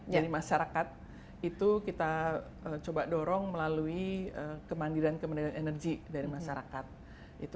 jadi masyarakat itu kita coba dorong melalui kemandiran kemandiran energi dari masyarakat